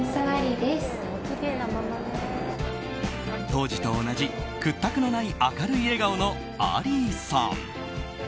当時と同じ屈託のない明るい笑顔のアリーさん。